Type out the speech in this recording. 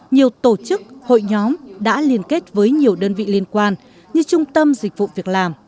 nhiều tổ chức hội nhóm đã liên kết với nhiều đơn vị liên quan như trung tâm dịch vụ việc làm